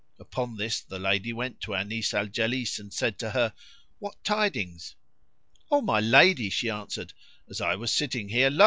Upon this the lady went to Anis al Jalis and said to her, "What tidings?" "O my lady," she answered, "as I was sitting here lo!